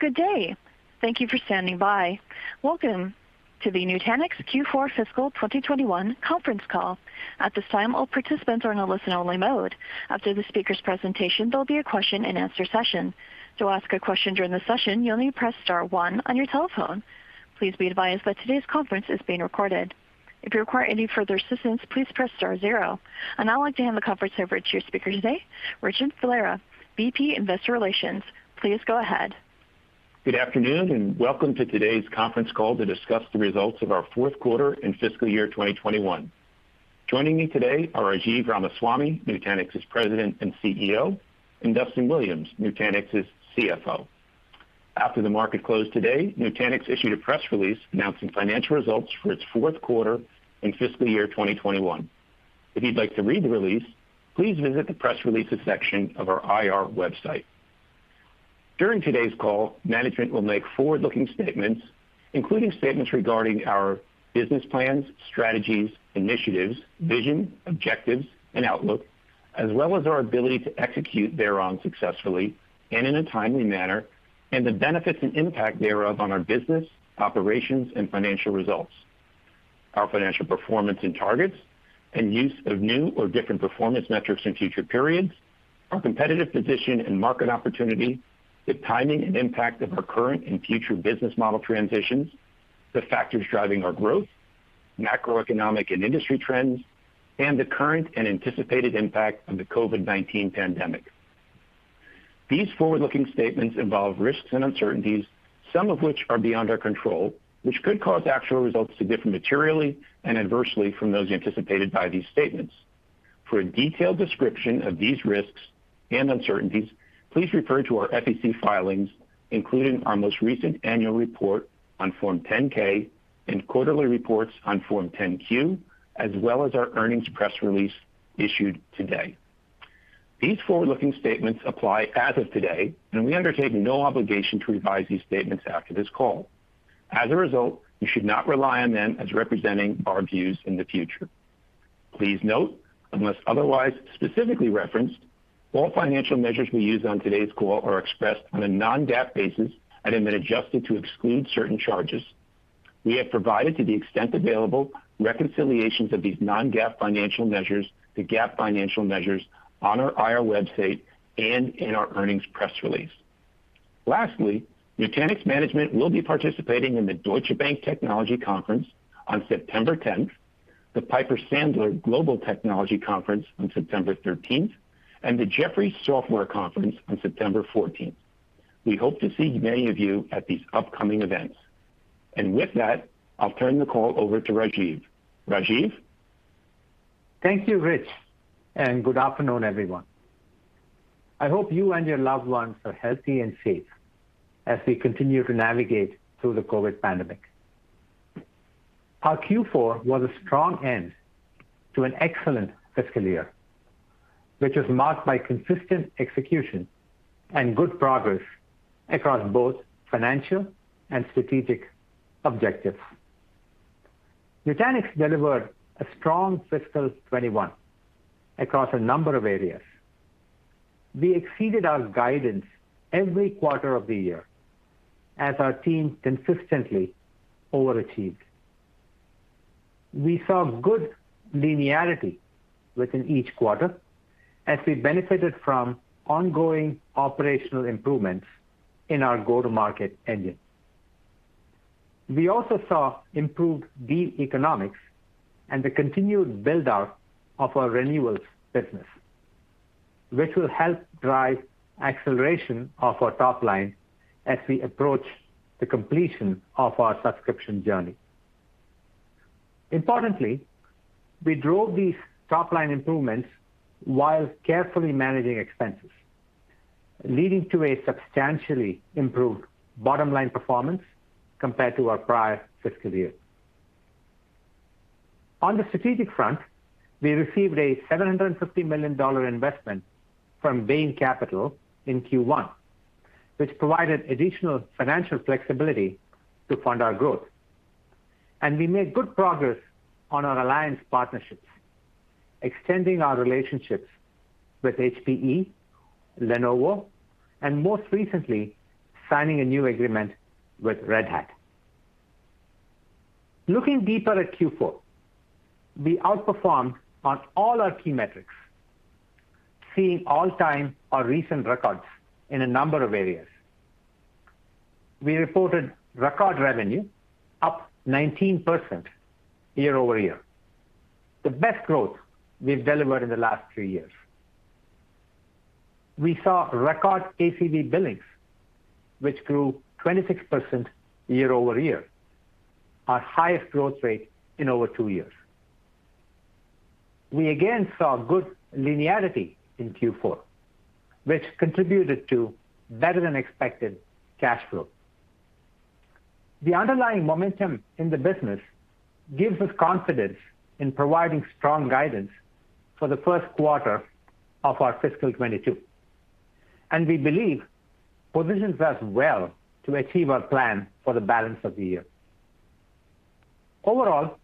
Good day. Thank you for standing by. Welcome to the Nutanix Q4 Fiscal 2021 conference call. At this time, all participants are in a listen-only mode. After the speaker's presentation, there'll be a question-and-answer session. To ask a question during the session, you'll need to press star one on your telephone. Please be advised that today's conference is being recorded. If you require any further assistance, please press star zero. And now I'd like to hand the conference over to your speaker today, Richard Valera, VP Investor Relations. Please go ahead. Good afternoon and welcome to today's conference call to discuss the results of our fourth quarter and fiscal year 2021. Joining me today are Rajiv Ramaswami, Nutanix's President and CEO, and Duston Williams, Nutanix's CFO. After the market closed today, Nutanix issued a press release announcing financial results for its fourth quarter and fiscal year 2021. If you'd like to read the release, please visit the press releases section of our IR website. During today's call, management will make forward-looking statements, including statements regarding our business plans, strategies, initiatives, vision, objectives, and outlook, as well as our ability to execute thereon successfully and in a timely manner, and the benefits and impact thereof on our business, operations, and financial results, our financial performance and targets and use of new or different performance metrics in future periods, our competitive position and market opportunity, the timing and impact of our current and future business model transitions, the factors driving our growth, macroeconomic and industry trends, and the current and anticipated impact of the COVID-19 pandemic. These forward-looking statements involve risks and uncertainties, some of which are beyond our control, which could cause actual results to differ materially and adversely from those anticipated by these statements. For a detailed description of these risks and uncertainties, please refer to our SEC filings, including our most recent annual report on Form 10-K and quarterly reports on Form 10-Q, as well as our earnings press release issued today. These forward-looking statements apply as of today. We undertake no obligation to revise these statements after this call. You should not rely on them as representing our views in the future. Please note, unless otherwise specifically referenced, all financial measures we use on today's call are expressed on a non-GAAP basis and have been adjusted to exclude certain charges. We have provided, to the extent available, reconciliations of these non-GAAP financial measures to GAAP financial measures on our IR website and in our earnings press release. Lastly, Nutanix management will be participating in the Deutsche Bank Technology Conference on September 10th, the Piper Sandler Global Technology Conference on September 13th, and the Jefferies Software Conference on September 14th. We hope to see many of you at these upcoming events. With that, I'll turn the call over to Rajiv. Rajiv? Thank you, Rich. Good afternoon, everyone. I hope you and your loved ones are healthy and safe as we continue to navigate through the COVID pandemic. Our Q4 was a strong end to an excellent fiscal year, which was marked by consistent execution and good progress across both financial and strategic objectives. Nutanix delivered a strong fiscal 2021 across a number of areas. We exceeded our guidance every quarter of the year as our team consistently overachieved. We saw good linearity within each quarter as we benefited from ongoing operational improvements in our go-to-market engine. We also saw improved deal economics and the continued build-out of our renewals business, which will help drive acceleration of our top line as we approach the completion of our subscription journey. Importantly, we drove these top-line improvements while carefully managing expenses, leading to a substantially improved bottom-line performance compared to our prior fiscal year. On the strategic front, we received a $750 million investment from Bain Capital in Q1, which provided additional financial flexibility to fund our growth. We made good progress on our alliance partnerships, extending our relationships with HPE, Lenovo, and most recently, signing a new agreement with Red Hat. Looking deeper at Q4, we outperformed on all our key metrics, seeing all-time or recent records in a number of areas. We reported record revenue up 19% year-over-year, the best growth we've delivered in the last three years. We saw record ACV billings, which grew 26% year-over-year, our highest growth rate in over two years. We again saw good linearity in Q4, which contributed to better-than-expected cash flow. The underlying momentum in the business gives us confidence in providing strong guidance for the first quarter of our fiscal 2022, and we believe positions us well to achieve our plan for the balance of the year. Overall,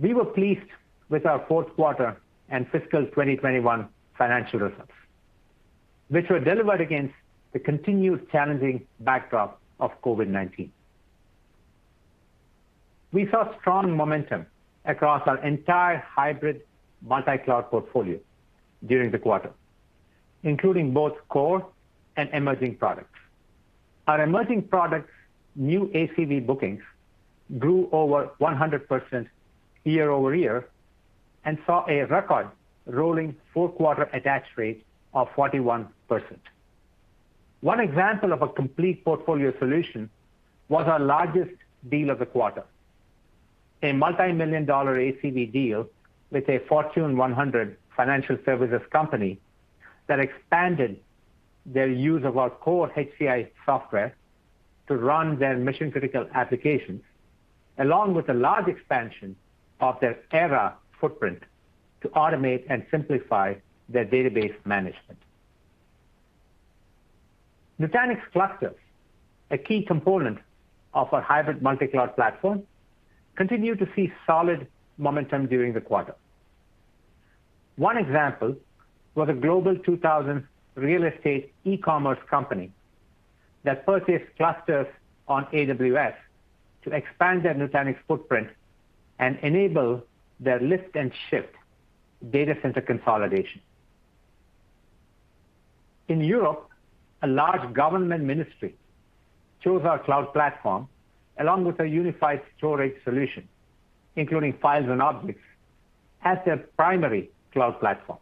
we were pleased with our fourth quarter and fiscal 2021 financial results, which were delivered against the continued challenging backdrop of COVID-19. We saw strong momentum across our entire hybrid multi-cloud portfolio during the quarter, including both core and emerging products. Our emerging products, new ACV bookings grew over 100% year-over-year and saw a record rolling four-quarter attach rate of 41%. One example of a complete portfolio solution was our largest deal of the quarter, a multimillion-dollar ACV deal with a Fortune 100 financial services company that expanded their use of our core HCI software to run their mission-critical applications, along with a large expansion of their Era footprint to automate and simplify their database management. Nutanix Clusters, a key component of our hybrid multi-cloud platform, continued to see solid momentum during the quarter. One example was a Global 2000 real estate e-commerce company that purchased Clusters on AWS to expand their Nutanix footprint and enable their lift and shift data center consolidation. In Europe, a large government ministry chose our cloud platform, along with a unified storage solution, including files and objects, as their primary cloud platform.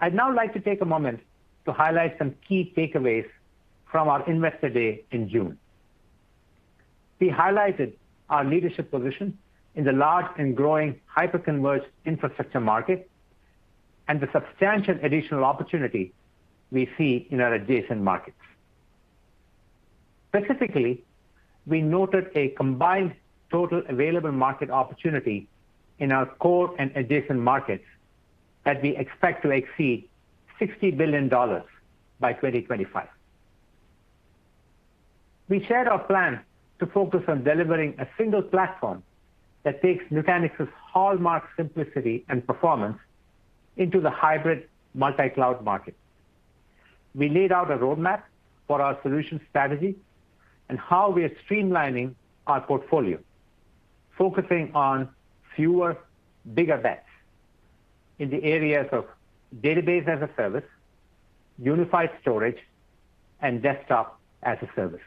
I'd now like to take a moment to highlight some key takeaways from our Investor Day in June. We highlighted our leadership position in the large and growing hyper-converged infrastructure market and the substantial additional opportunity we see in our adjacent markets. Specifically, we noted a combined total available market opportunity in our core and adjacent markets that we expect to exceed $60 billion by 2025. We shared our plan to focus on delivering a single platform that takes Nutanix's hallmark simplicity and performance into the hybrid multi-cloud market. We laid out a roadmap for our solution strategy and how we are streamlining our portfolio, focusing on fewer, bigger bets in the areas of Database as a Service, unified storage, and Desktop as a Service.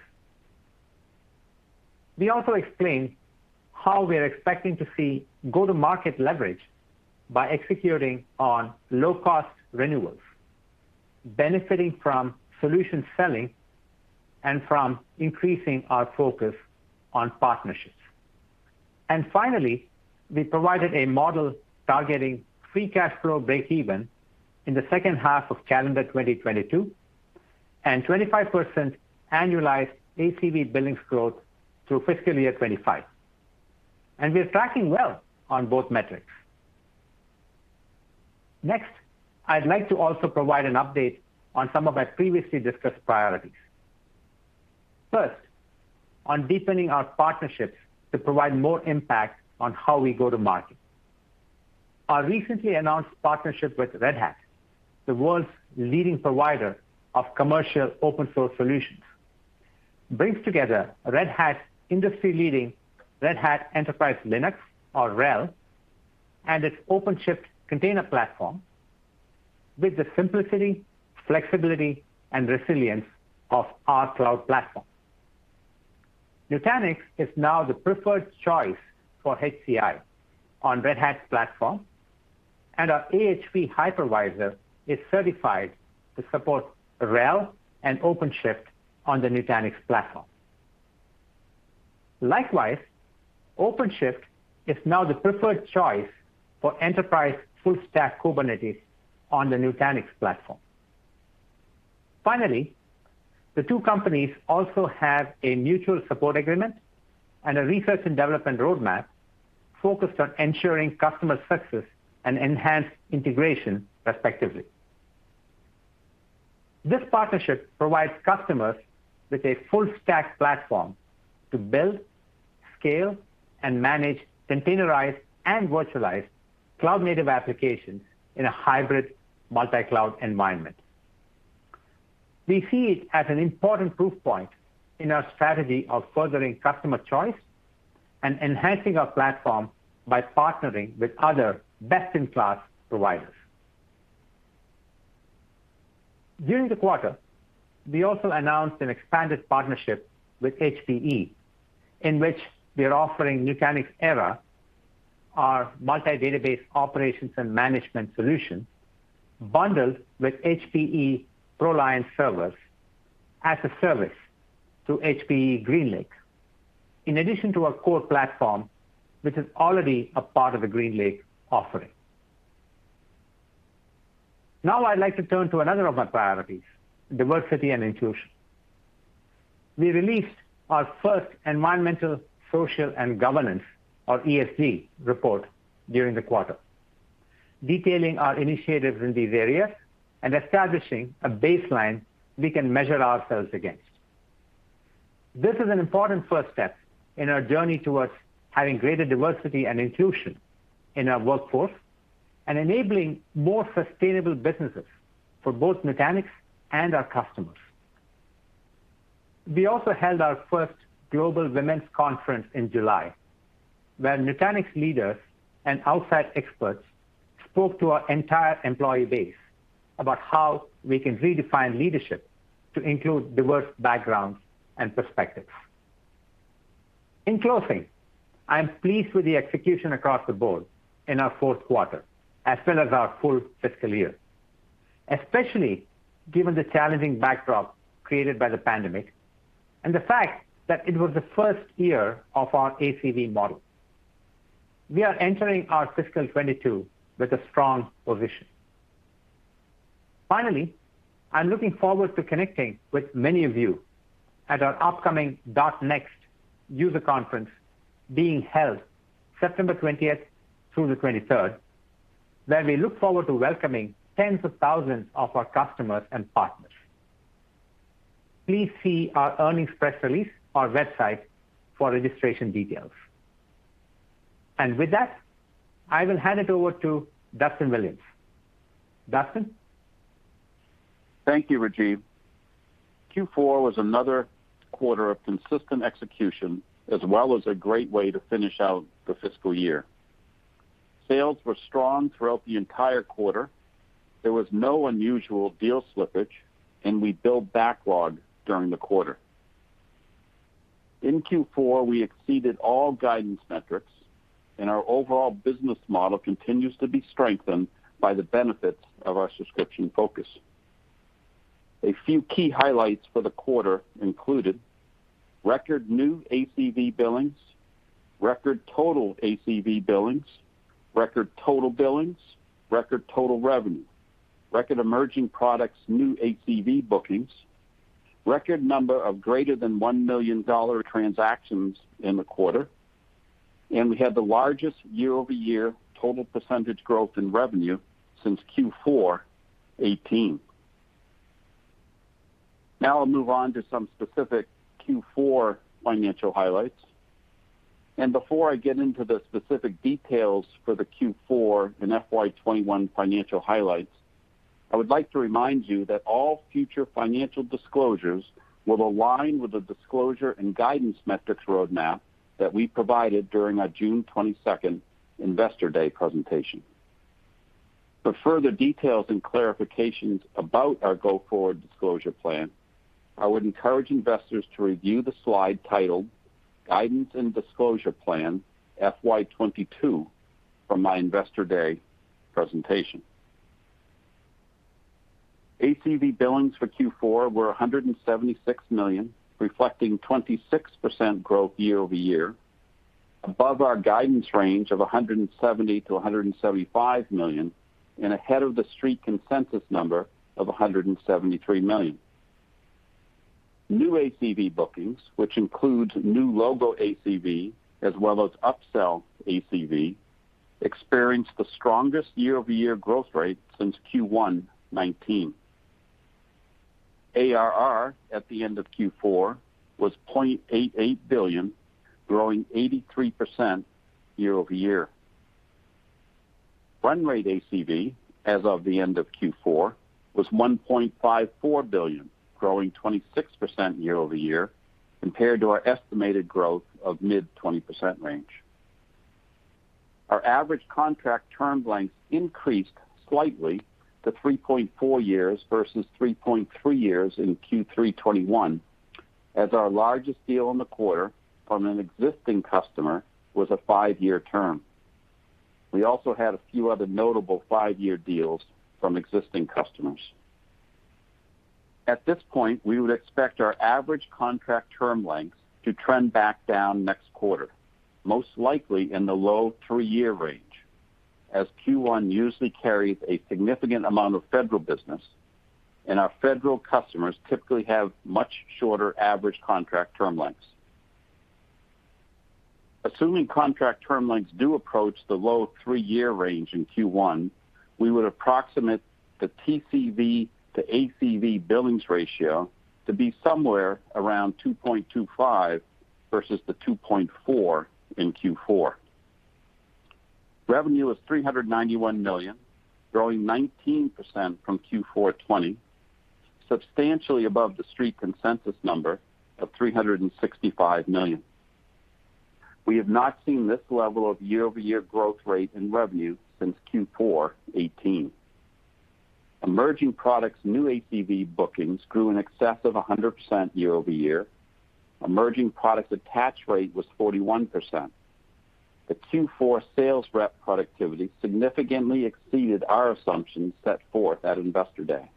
We also explained how we are expecting to see go-to-market leverage by executing on low-cost renewals, benefiting from solution selling, and from increasing our focus on partnerships. Finally, we provided a model targeting free cash flow breakeven in the second half of calendar 2022 and 25% annualized ACV billings growth through fiscal year 2025, and we are tracking well on both metrics. Next, I'd like to also provide an update on some of our previously discussed priorities. First, on deepening our partnerships to provide more impact on how we go to market. Our recently announced partnership with Red Hat, the world's leading provider of commercial open source solutions, brings together Red Hat industry-leading Red Hat Enterprise Linux, or RHEL, and its OpenShift container platform with the simplicity, flexibility, and resilience of our cloud platform. Nutanix is now the preferred choice for HCI on Red Hat's platform, and our AHV hypervisor is certified to support RHEL and OpenShift on the Nutanix platform. Likewise, OpenShift is now the preferred choice for enterprise full stack Kubernetes on the Nutanix platform. Finally, the two companies also have a mutual support agreement and a research and development roadmap focused on ensuring customer success and enhanced integration respectively. This partnership provides customers with a full stack platform to build, scale, and manage containerized and virtualized cloud-native applications in a hybrid multi-cloud environment. We see it as an important proof point in our strategy of furthering customer choice and enhancing our platform by partnering with other best-in-class providers. During the quarter, we also announced an expanded partnership with HPE, in which we are offering Nutanix Era, our multi-database operations and management solution, bundled with HPE ProLiant Servers as a service through HPE GreenLake, in addition to our core platform, which is already a part of the HPE GreenLake offering. Now, I'd like to turn to another of my priorities, diversity and inclusion. We released our first environmental, social, and governance, or ESG, report during the quarter detailing our initiatives in these areas and establishing a baseline we can measure ourselves against. This is an important first step in our journey towards having greater diversity and inclusion in our workforce and enabling more sustainable businesses for both Nutanix and our customers. We also held our first global women's conference in July, where Nutanix leaders and outside experts spoke to our entire employee base about how we can redefine leadership to include diverse backgrounds and perspectives. In closing, I am pleased with the execution across the board in our fourth quarter, as well as our full fiscal year, especially given the challenging backdrop created by the pandemic, and the fact that it was the first year of our ACV model. We are entering our fiscal 2022 with a strong position. Finally, I'm looking forward to connecting with many of you at our upcoming .NEXT user conference being held September 20th through the 23rd, where we look forward to welcoming tens of thousands of our customers and partners. Please see our earnings press release, our website for registration details. With that, I will hand it over to Duston Williams. Duston? Thank you, Rajiv. Q4 was another quarter of consistent execution, as well as a great way to finish out the fiscal year. Sales were strong throughout the entire quarter. There was no unusual deal slippage, and we built backlog during the quarter. In Q4, we exceeded all guidance metrics, and our overall business model continues to be strengthened by the benefits of our subscription focus. A few key highlights for the quarter included, record new ACV billings, record total ACV billings, record total billings, record total revenue, record emerging products new ACV bookings, record number of greater than $1 million transactions in the quarter, and we had the largest year-over-year total percentage growth in revenue since Q4 2018. I'll move on to some specific Q4 financial highlights. Before I get into the specific details for the Q4 and FY 2021 financial highlights, I would like to remind you that all future financial disclosures will align with the disclosure and guidance metrics roadmap that we provided during our June 22nd Investor Day presentation. For further details and clarifications about our go-forward disclosure plan, I would encourage investors to review the slide titled Guidance and Disclosure Plan FY 2022 from my Investor Day presentation. ACV billings for Q4 were $176 million, reflecting 26% growth year-over-year, above our guidance range of $170 million-$175 million, and ahead of the street consensus number of $173 million. New ACV bookings, which includes new logo ACV as well as upsell ACV, experienced the strongest year-over-year growth rate since Q1 2019. ARR at the end of Q4 was $88 billion, growing 83% year-over-year. Run rate ACV as of the end of Q4 was $1.54 billion, growing 26% year-over-year compared to our estimated growth of mid-20% range. Our average contract term length increased slightly to 3.4 years versus 3.3 years in Q3 2021 as our largest deal in the quarter from an existing customer was a five-year term. We also had a few other notable five-year deals from existing customers. At this point, we would expect our average contract term lengths to trend back down next quarter, most likely in the low three-year range, as Q1 usually carries a significant amount of federal business. Our federal customers typically have much shorter average contract term lengths. Assuming contract term lengths do approach the low three-year range in Q1, we would approximate the TCV to ACV billings ratio to be somewhere around 2.25 versus the 2.4 in Q4. Revenue was $391 million, growing 19% from Q4 2020, substantially above the street consensus number of $365 million. We have not seen this level of year-over-year growth rate in revenue since Q4 2018. Emerging products new ACV bookings grew in excess of 100% year-over-year. Emerging products attach rate was 41%. The Q4 sales rep productivity significantly exceeded our assumptions set forth at Investor Day.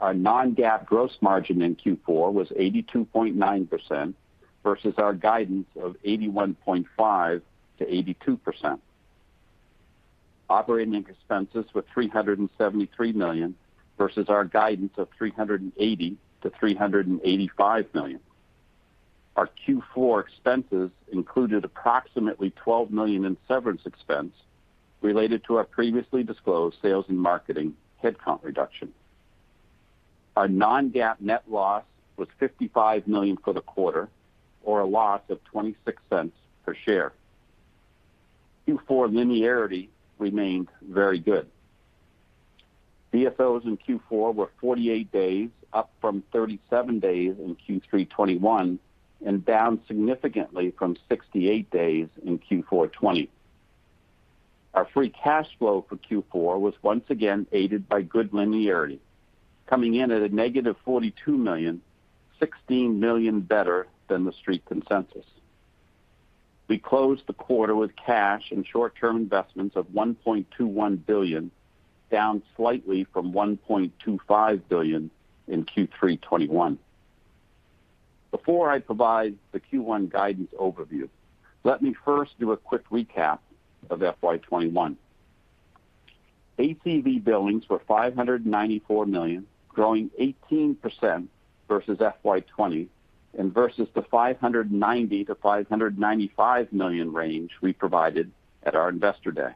Our non-GAAP gross margin in Q4 was 82.9% versus our guidance of 81.5%-82%. Operating expenses were $373 million versus our guidance of $380 million-$385 million. Our Q4 expenses included approximately $12 million in severance expense related to our previously disclosed sales and marketing headcount reduction. Our non-GAAP net loss was $55 million for the quarter, or a loss of $0.26 per share. Q4 linearity remained very good. DSOs in Q4 were 48 days, up from 37 days in Q3 2021, and down significantly from 68 days in Q4 2020. Our free cash flow for Q4 was once again aided by good linearity, coming in at a $-42 million, $16 million better than the Street consensus. We closed the quarter with cash and short-term investments of $1.21 billion, down slightly from $1.25 billion in Q3 2021. Before I provide the Q1 guidance overview, let me first do a quick recap of FY 2021. ACV billings were $594 million, growing 18% versus FY 2020, and versus the $590 million-$595 million range we provided at our Investor Day.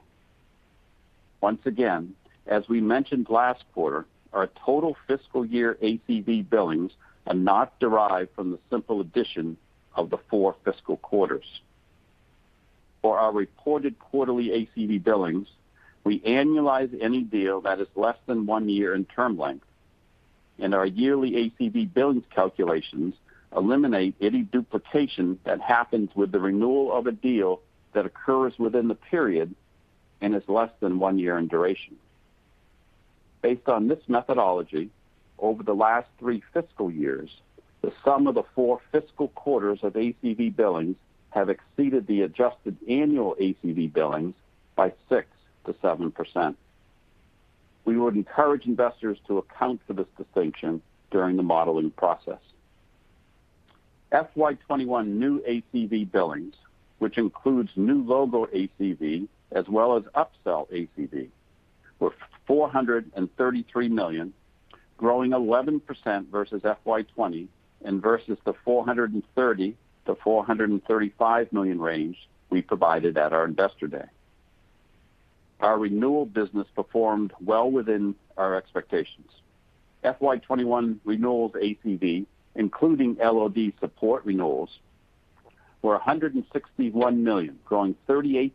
Once again, as we mentioned last quarter, our total fiscal year ACV billings are not derived from the simple addition of the four fiscal quarters. For our reported quarterly ACV billings, we annualize any deal that is less than one year in term length, and our yearly ACV billings calculations eliminate any duplication that happens with the renewal of a deal that occurs within the period and is less than one year in duration. Based on this methodology, over the last three fiscal years, the sum of the four fiscal quarters of ACV billings have exceeded the adjusted annual ACV billings by 6%-7%. We would encourage investors to account for this distinction during the modeling process. FY 2021 new ACV billings, which includes new logo ACV as well as upsell ACV, were $433 million, growing 11% versus FY 2020 and versus the $430 million-$435 million range we provided at our Investor Day. Our renewal business performed well within our expectations. FY 2021 renewals ACV, including LOD support renewals, were $161 million, growing 38%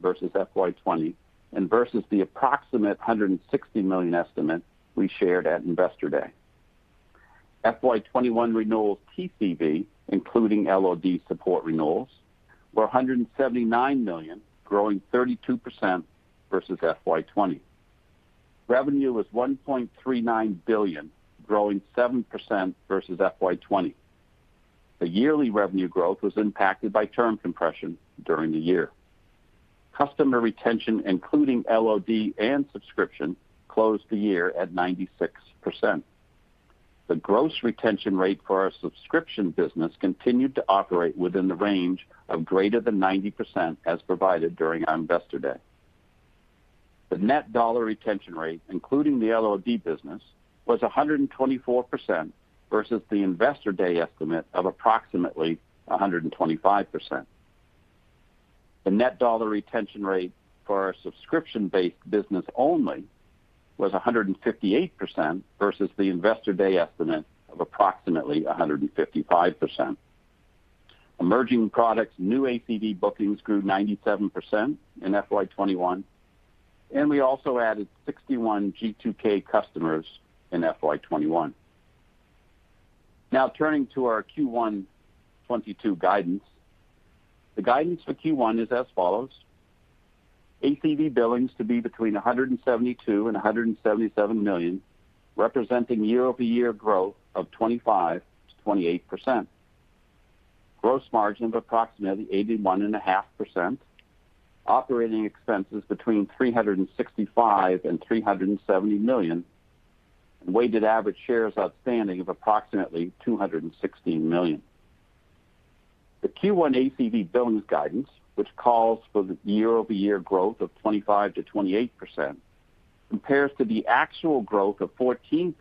versus FY 2020 and versus the approximate $160 million estimate we shared at Investor Day. FY 2021 renewals TCV, including LOD support renewals, were $179 million, growing 32% versus FY 2020. Revenue was $1.39 billion, growing 7% versus FY 2020. The yearly revenue growth was impacted by term compression during the year. Customer retention, including LOD and subscription, closed the year at 96%. The gross retention rate for our subscription business continued to operate within the range of greater than 90% as provided during our Investor Day. The net dollar retention rate, including the LOD business, was 124% versus the Investor Day estimate of approximately 125%. The net dollar retention rate for our subscription-based business only was 158% versus the Investor Day estimate of approximately 155%. Emerging products new ACV bookings grew 97% in FY 2021, and we also added 61 G2K customers in FY 2021. Now, turning to our Q1 2022 guidance. The guidance for Q1 is as follows. ACV billings to be between $172 million-$177 million, representing year-over-year growth of 25%-28%. Gross margin of approximately 81.5%. Operating expenses between $365 million-$370 million. Weighted average shares outstanding of approximately 216 million. The Q1 ACV billings guidance, which calls for the year-over-year growth of 25%-28%, compares to the actual growth of 14%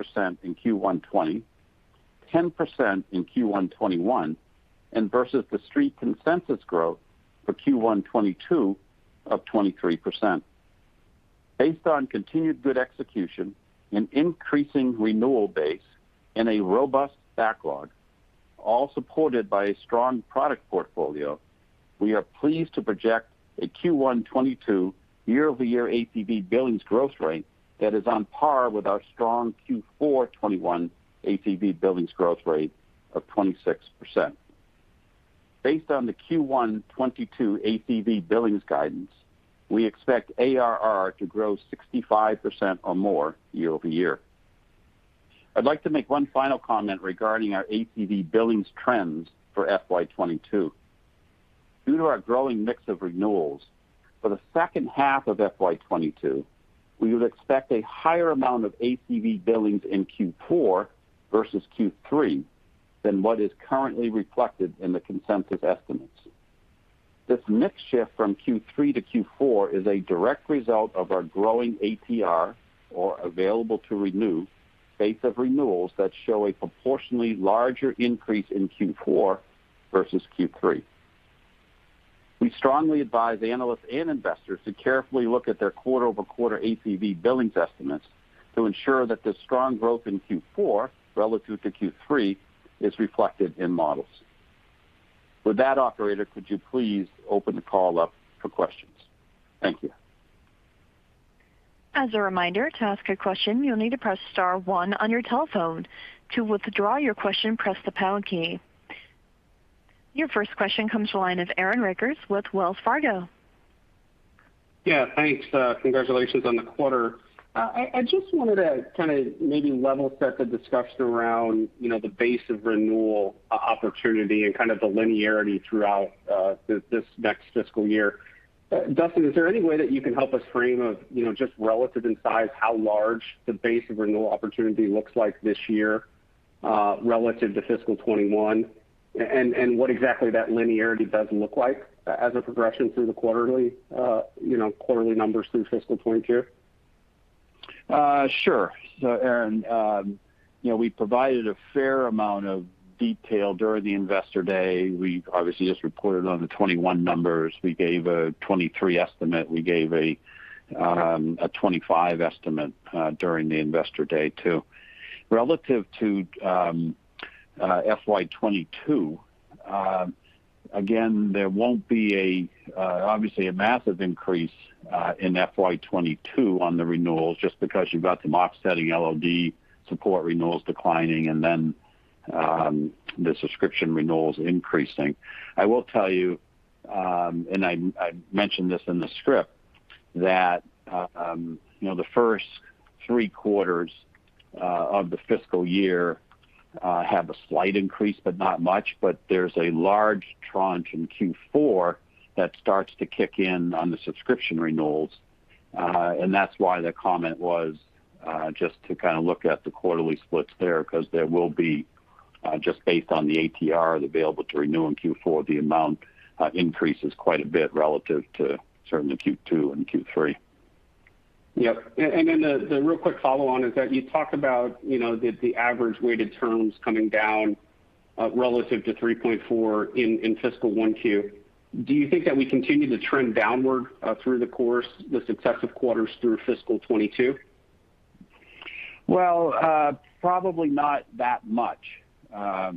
in Q1 2020, 10% in Q1 2021, and versus the Street consensus growth for Q1 2022 of 23%. Based on continued good execution, an increasing renewal base, and a robust backlog, all supported by a strong product portfolio, we are pleased to project a Q1 2022 year-over-year ACV billings growth rate that is on par with our strong Q4 2021 ACV billings growth rate of 26%. Based on the Q1 2022 ACV billings guidance, we expect ARR to grow 65% or more year-over-year. I'd like to make one final comment regarding our ACV billings trends for FY 2022. Due to our growing mix of renewals, for the second half of FY 2022, we would expect a higher amount of ACV billings in Q4 versus Q3 than what is currently reflected in the consensus estimates. This mix shift from Q3 to Q4 is a direct result of our growing ATR, or Available to Renew, base of renewals that show a proportionally larger increase in Q4 versus Q3. We strongly advise analysts and investors to carefully look at their quarter-over-quarter ACV billings estimates to ensure that the strong growth in Q4 relative to Q3 is reflected in models. With that, operator, could you please open the call up for questions? Thank you. As a reminder, to ask a question, you'll need to press star one on your telephone. To withdraw your question, press the pound key. Your first question comes the line of Aaron Rakers with Wells Fargo. Yeah, thanks. Congratulations on the quarter. I just wanted to maybe level set the discussion around the base of renewal opportunity and the linearity throughout this next fiscal year. Duston, is there any way that you can help us frame of, just relative in size, how large the base of renewal opportunity looks like this year, relative to fiscal 2021, and what exactly that linearity does look like as a progression through the quarterly numbers through fiscal 2022? Sure. Aaron, we provided a fair amount of detail during the Investor Day. We obviously just reported on the 2021 numbers. We gave a 2023 estimate. We gave a 2025 estimate during the Investor Day, too. Relative to FY 2022, again, there won't be obviously a massive increase in FY 2022 on the renewals, just because you've got some offsetting LOD support renewals declining, and then the subscription renewals increasing. I will tell you, and I mentioned this in the script, that the first three quarters of the fiscal year have a slight increase, but not much, but there's a large tranche in Q4 that starts to kick in on the subscription renewals. That's why the comment was just to look at the quarterly splits there, because there will be, just based on the ATR, the Available to Renew in Q4, the amount increases quite a bit relative to certainly Q2 and Q3. Yep. The real quick follow on is that you talked about the average weighted terms coming down relative to 3.4 in fiscal 1Q. Do you think that we continue to trend downward through the course, the successive quarters through fiscal 2022? Well, probably not that much. A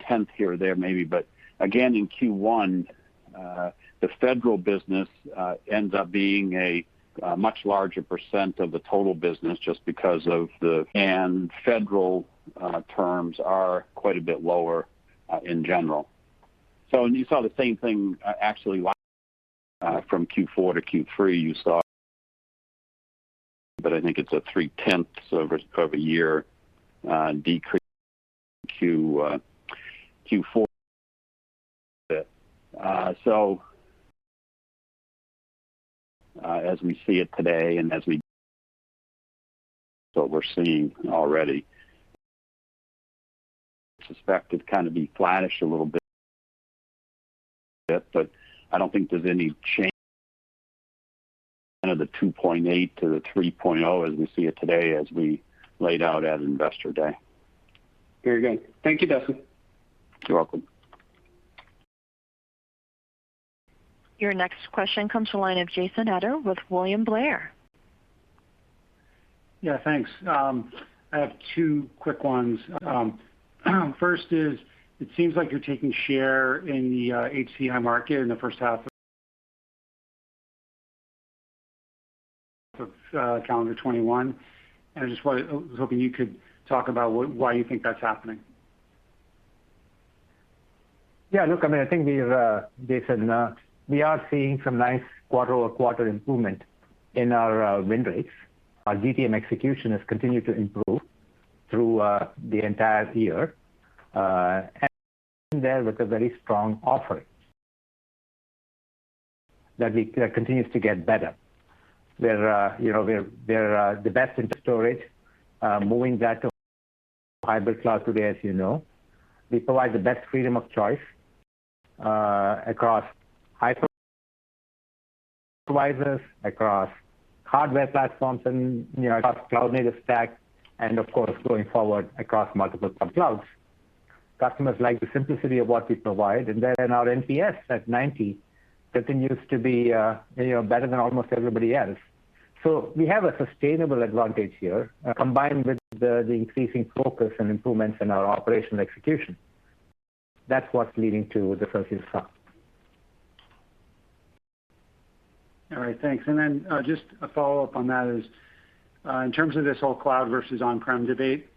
tenth here or there maybe, but again, in Q1, the federal business ends up being a much larger percentage of the total business just because of the. Federal terms are quite a bit lower in general. You saw the same thing actually from Q4 to Q3, you saw. I think it's a three-tenths of a year decrease Q4. As we see it today, we're seeing already Suspect it'd be flattish a little bit. I don't think there's any change of the 2.8 to the 3.0 as we see it today, as we laid out at Investor Day. Very good. Thank you, Duston. You're welcome. Your next question comes the line of Jason Ader with William Blair. Thanks. I have two quick ones. First is, it seems like you're taking share in the HCI market in the first half of calendar 2021, and I was hoping you could talk about why you think that's happening. Yeah, look, Jason, we are seeing some nice quarter-over-quarter improvement in our win rates. Our GTM execution has continued to improve through the entire year. There with a very strong offering that continues to get better. We're the best in storage, moving that to hybrid cloud today, as you know. We provide the best freedom of choice across hypervisors, across hardware platforms, and across cloud-native stack, and of course, going forward, across multiple clouds. Customers like the simplicity of what we provide, and then our NPS at 90 continues to be better than almost everybody else. We have a sustainable advantage here, combined with the increasing focus and improvements in our operational execution. That's what's leading to the success so far. All right. Thanks. Just a follow-up on that is, in terms of this whole cloud versus on-prem debate,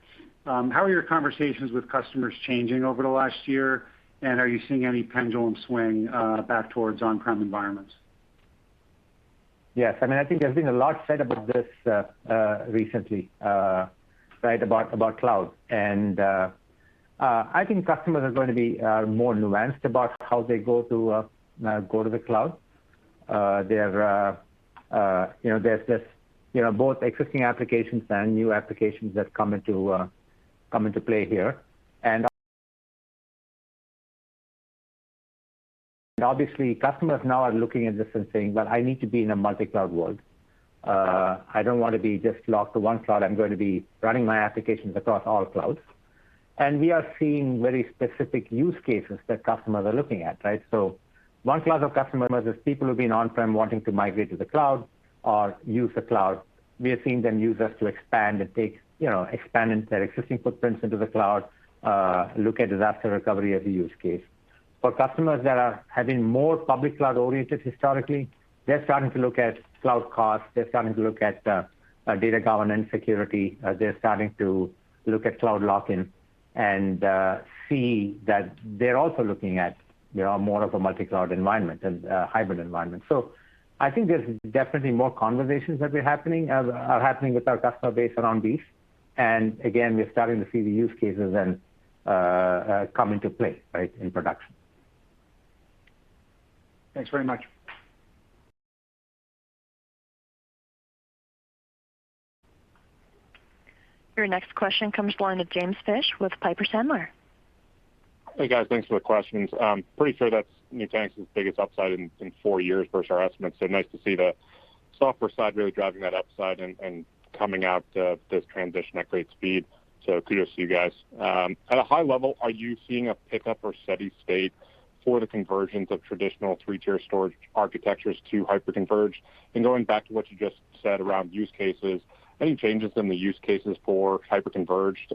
how are your conversations with customers changing over the last year, and are you seeing any pendulum swing back towards on-prem environments? Yes. I think there's been a lot said about this recently, right, about cloud. I think customers are going to be more nuanced about how they go to the cloud. There's both existing applications and new applications that come into play here. Obviously, customers now are looking at this and saying, Well, I need to be in a multi-cloud world. I don't want to be just locked to one cloud. I'm going to be running my applications across all clouds. We are seeing very specific use cases that customers are looking at. One class of customers is people who've been on-prem wanting to migrate to the cloud or use the cloud. We are seeing them use us to expand their existing footprints into the cloud, look at disaster recovery as a use case. For customers that have been more public cloud-oriented historically, they're starting to look at cloud costs. They're starting to look at data governance security. They're starting to look at cloud lock-in and see that they're also looking at more of a multi-cloud environment and a hybrid environment. I think there's definitely more conversations that are happening with our customer base around these. Again, we're starting to see the use cases then come into play in production. Thanks very much. Your next question comes the line of James Fish with Piper Sandler. Hey, guys. Thanks for the questions. I'm pretty sure that's Nutanix's biggest upside in four years versus our estimates. Nice to see the software side really driving that upside and coming out of this transition at great speed. Kudos to you guys. At a high level, are you seeing a pickup or steady state for the conversions of traditional 3-tier storage architectures to hyper-converged? Going back to what you just said around use cases, any changes in the use cases for hyper-converged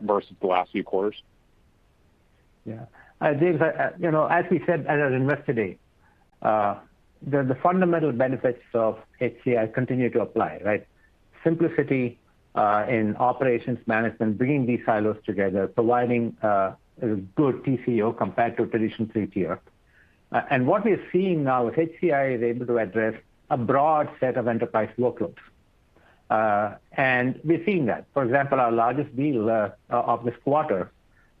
versus the last few quarters? Yeah. James, as we said at our Investor Day, the fundamental benefits of HCI continue to apply, right? Simplicity in operations management, bringing these silos together, providing a good TCO compared to a traditional three-tier. What we're seeing now is HCI is able to address a broad set of enterprise workloads. We're seeing that. For example, our largest deal of this quarter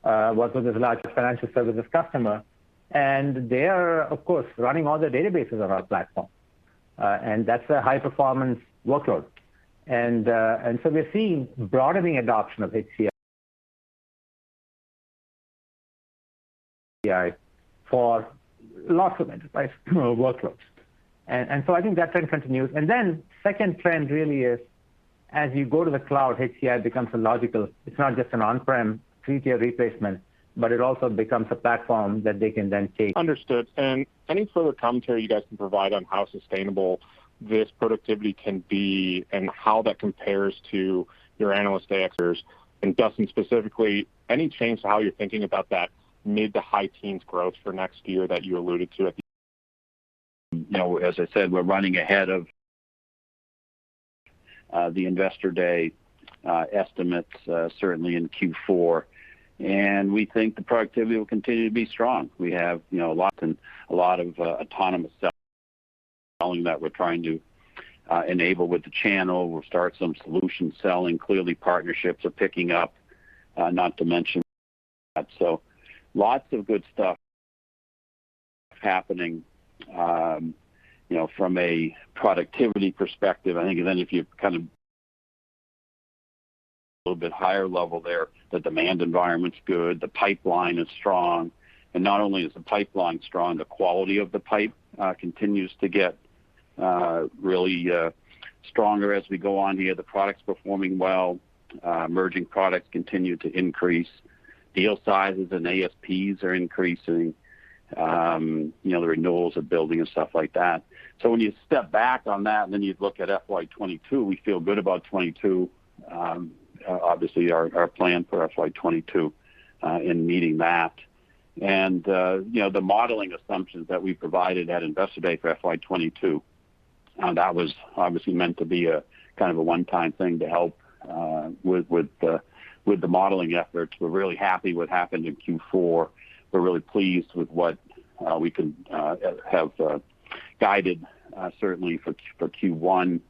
was with this largest financial services customer, and they are, of course, running all their databases on our platform. That's a high-performance workload. We're seeing broadening adoption of HCI for lots of enterprise workloads. I think that trend continues. Second trend really is as you go to the cloud, HCI becomes a logical. It's not just an on-prem three-tier replacement, but it also becomes a platform that they can then take- Understood. Any further commentary you guys can provide on how sustainable this productivity can be and how that compares to your analyst day factors? Duston specifically, any change to how you're thinking about that mid to high teens growth for next year that you alluded to at the- As I said, we're running ahead of the Investor Day estimates certainly in Q4. We think the productivity will continue to be strong. We have a lot of autonomous selling that we're trying to enable with the channel. We'll start some solution selling. Clearly, partnerships are picking up, not to mention that. Lots of good stuff happening from a productivity perspective. I think if you kind of little bit higher level there, the demand environment's good. The pipeline is strong. Not only is the pipeline strong, the quality of the pipe continues to get really stronger as we go on here. The product's performing well. Emerging products continue to increase. Deal sizes and ASPs are increasing. The renewals are building and stuff like that. When you step back on that and then you look at FY 2022, we feel good about 2022, obviously our plan for FY 2022, in meeting that. The modeling assumptions that we provided at Investor Day for FY 2022, that was obviously meant to be a kind of a one-time thing to help with the modeling efforts. We're really happy what happened in Q4. We're really pleased with what we have guided, certainly for Q1,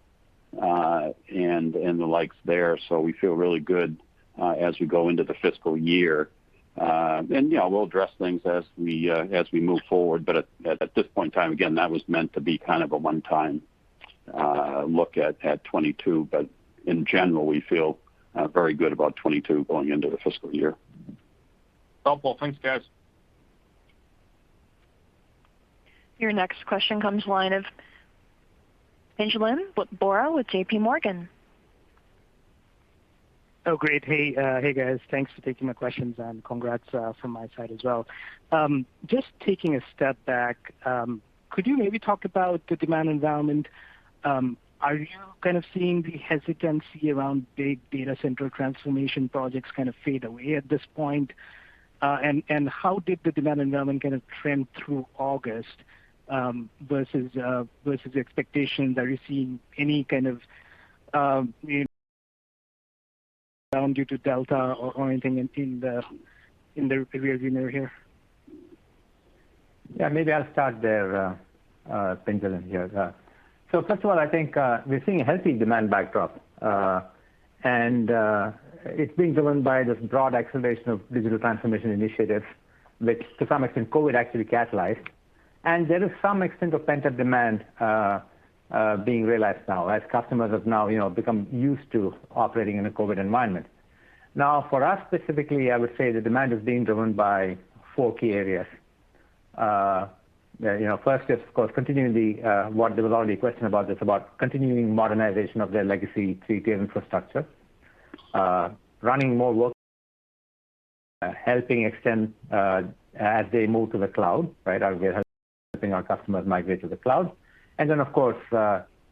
and the likes there. We feel really good as we go into the fiscal year. We'll address things as we move forward. At this point in time, again, that was meant to be kind of a one-time look at 2022. In general, we feel very good about 2022 going into the fiscal year. Helpful. Thanks, guys. Your next question comes line of Pinjalim Bora with JPMorgan. Oh, great. Hey, guys. Thanks for taking my questions, and congrats from my side as well. Just taking a step back, could you maybe talk about the demand environment? Are you kind of seeing the hesitancy around big data center transformation projects kind of fade away at this point? How did the demand environment kind of trend through August versus expectations? Are you seeing any kind of down due to Delta or anything in the revenue here? Yeah, maybe I'll start there, Pinjalim, here. First of all, I think we're seeing a healthy demand backdrop. It's being driven by this broad acceleration of digital transformation initiatives that, to some extent, COVID actually catalyzed. There is some extent of pent-up demand being realized now as customers have now become used to operating in a COVID environment. For us specifically, I would say the demand is being driven by four key areas. First, it's of course continuing the, what there was already a question about this, about continuing modernization of their legacy T3 infrastructure. Running more workloads, helping extend as they move to the cloud, right? We're helping our customers migrate to the cloud. Then of course,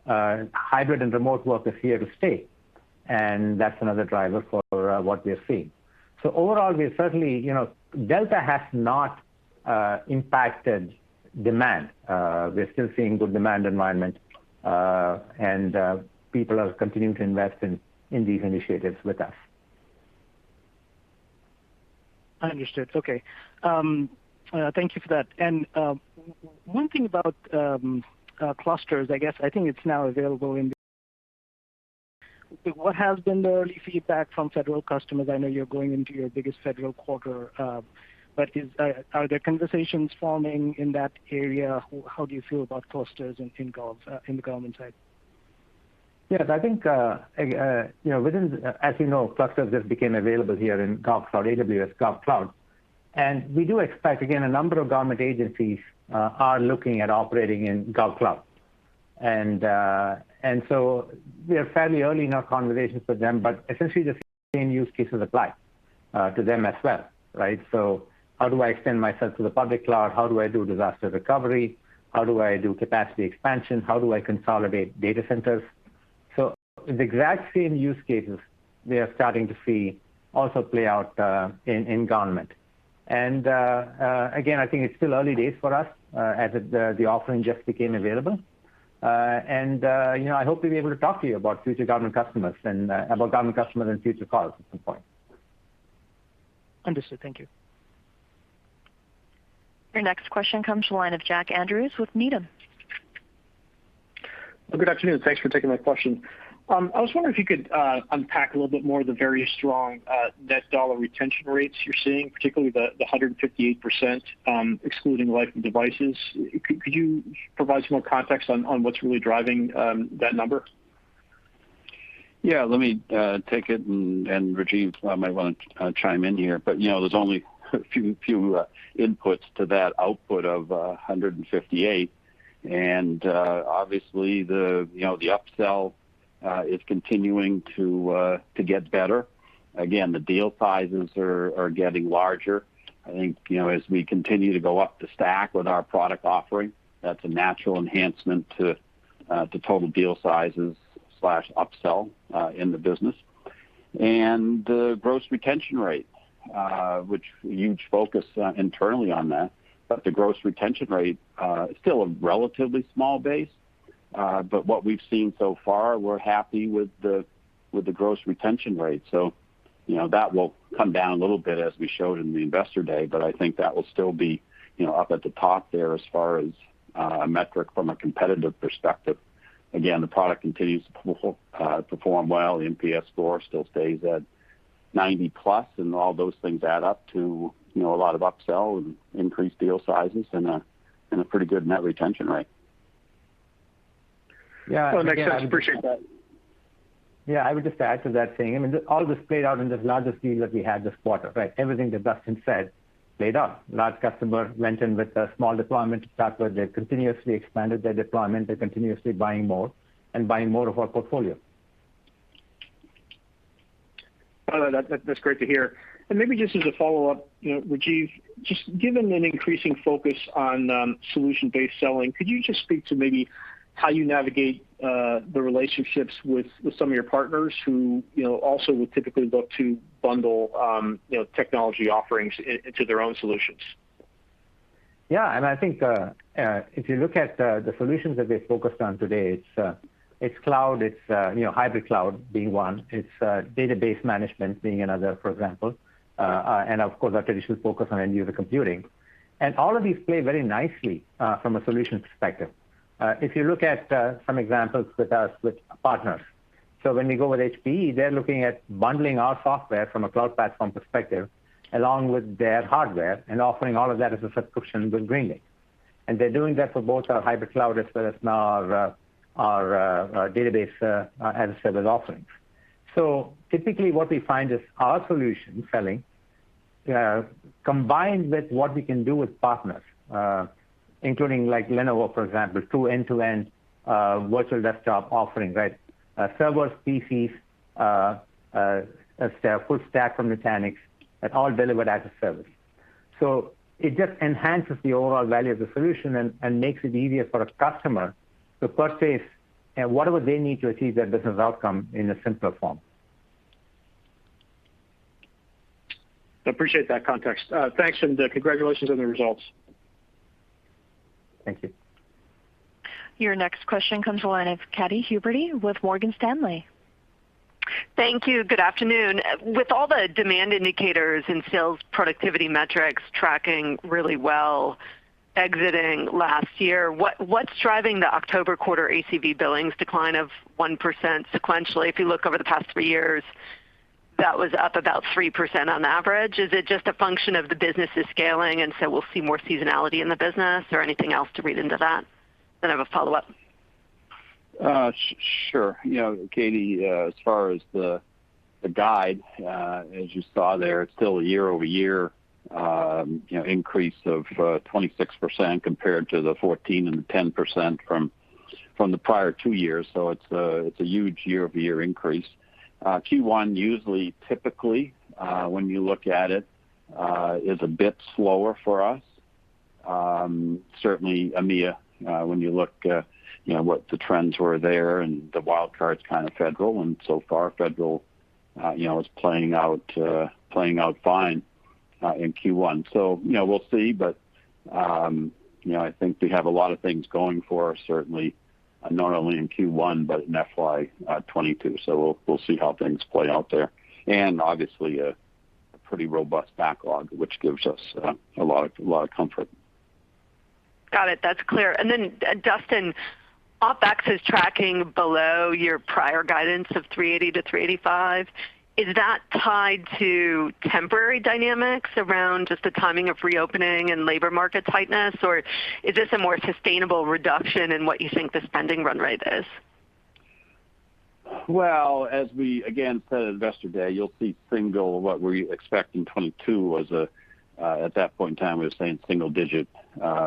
hybrid and remote work is here to stay, and that's another driver for what we are seeing. Overall, Delta has not impacted demand. We are still seeing good demand environment, and people are continuing to invest in these initiatives with us. Understood. Okay. Thank you for that. One thing about Clusters, I guess I think it's now available in what has been the early feedback from federal customers? I know you're going into your biggest federal quarter, but are there conversations forming in that area? How do you feel about Clusters in the government side? Yes, as you know, Clusters just became available here in AWS GovCloud. We do expect, again, a number of government agencies are looking at operating in GovCloud. We are fairly early in our conversations with them, but essentially the same use cases apply to them as well, right? How do I extend myself to the public cloud? How do I do disaster recovery? How do I do capacity expansion? How do I consolidate data centers? The exact same use cases we are starting to see also play out in government. Again, I think it's still early days for us, as the offering just became available. I hope to be able to talk to you about future government customers and about government customers in future calls at some point. Understood. Thank you. Your next question comes to the line of Jack Andrews with Needham. Good afternoon. Thanks for taking my question. I was wondering if you could unpack a little bit more the very strong net dollar retention rates you're seeing, particularly the 158%, excluding life and devices. Could you provide some more context on what's really driving that number? Yeah, let me take it, and Rajiv might want to chime in here. There's only a few inputs to that output of 158, and obviously the up-sell is continuing to get better. Again, the deal sizes are getting larger. I think, as we continue to go up the stack with our product offering, that's a natural enhancement to total deal sizes/up-sell in the business. The gross retention rate, which huge focus internally on that, but the gross retention rate is still a relatively small base. What we've seen so far, we're happy with the gross retention rate. That will come down a little bit as we showed in the investor day, but I think that will still be up at the top there as far as a metric from a competitive perspective. Again, the product continues to perform well. The NPS score still stays at 90 plus, and all those things add up to a lot of up-sell and increased deal sizes, and a pretty good net retention rate. Yeah. No, it makes sense. Appreciate that. I would just add to that saying, all this played out in this largest deal that we had this quarter, right? Everything that Duston said played out. Large customer went in with a small deployment to start with. They've continuously expanded their deployment. They're continuously buying more, and buying more of our portfolio. No, that's great to hear. Maybe just as a follow-up, Rajiv, just given an increasing focus on solution-based selling, could you just speak to maybe how you navigate the relationships with some of your partners who also would typically look to bundle technology offerings into their own solutions? Yeah, I think if you look at the solutions that we focused on today, it's cloud, it's hybrid cloud being one. It's database management being another, for example. Of course our traditional focus on end user computing. All of these play very nicely from a solutions perspective. If you look at some examples with us with partners. When we go with HPE, they're looking at bundling our software from a cloud platform perspective along with their hardware, and offering all of that as a subscription with GreenLake. They're doing that for both our hybrid cloud as well as now our Database as a Service offerings. Typically what we find is our solution selling combined with what we can do with partners, including like Lenovo, for example, two end-to-end virtual desktop offerings, right? Server, PCs, full stack from Nutanix, all delivered as a service. It just enhances the overall value of the solution and makes it easier for a customer to purchase whatever they need to achieve their business outcome in a simpler form. I appreciate that context. Thanks. Congratulations on the results. Thank you. Your next question comes the line of Katy Huberty with Morgan Stanley. Thank you. Good afternoon. With all the demand indicators and sales productivity metrics tracking really well exiting last year, what's driving the October quarter ACV billings decline of 1% sequentially? If you look over the past three years, that was up about 3% on average. Is it just a function of the business is scaling and we'll see more seasonality in the business or anything else to read into that? I have a follow-up. Sure. Katy, as far as the guide, as you saw there, it's still a year-over-year increase of 26% compared to the 14% and the 10% from the prior two years. It's a huge year-over-year increase. Q1 usually, typically, when you look at it, is a bit slower for us. Certainly, EMEA, when you look what the trends were there and the wild card's kind of federal, and so far federal is playing out fine in Q1. We'll see. I think we have a lot of things going for us, certainly, not only in Q1 but in FY 2022. We'll see how things play out there. Obviously, a pretty robust backlog, which gives us a lot of comfort. Got it. That's clear. Duston, OpEx is tracking below your prior guidance of $380-$385. Is that tied to temporary dynamics around just the timing of reopening and labor market tightness, or is this a more sustainable reduction in what you think the spending run rate is? Well, as we, again, said at Investor Day, you'll see what we expect in 2022 was at that point in time, we were saying single-digit